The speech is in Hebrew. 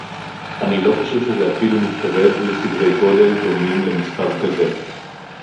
אני לא חושב שזה אפילו מתקרב לסדרי גודל דומים למספר כזה